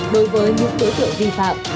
đối với những đối tượng vi phạm